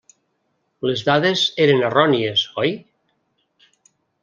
Les dades eren errònies, oi?